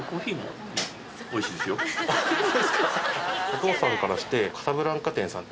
お父さんからして。